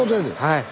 はい。